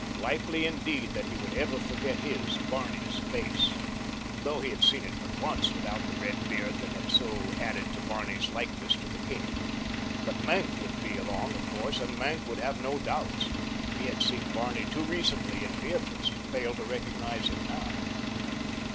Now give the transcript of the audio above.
Likely indeed that he would ever forget his, Barney's, face, though he had seen it but once without the red beard that had so added to Barney's likeness to the king. But Maenck would be along, of course, and Maenck would have no doubts—he had seen Barney too recently in Beatrice to fail to recognize him now.